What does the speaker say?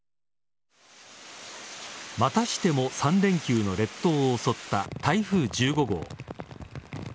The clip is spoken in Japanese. またしても３連休の列島を襲った台風１５号。